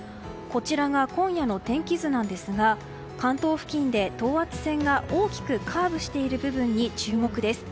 こちらが今夜の天気図ですが関東付近で等圧線が大きくカーブしている部分に注目です。